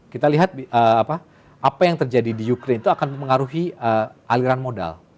kita lihat apa yang terjadi di ukraine itu akan mempengaruhi aliran modal